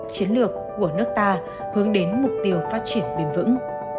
chiến lược của nước ta hướng đến mục tiêu phát triển bền vững